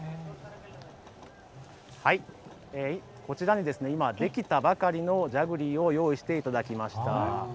こちらに今できたばかりのジャグリーを用意していただきました。